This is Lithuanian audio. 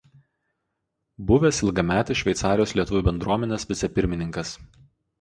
Buvęs ilgametis Šveicarijos Lietuvių Bendruomenės vicepirmininkas.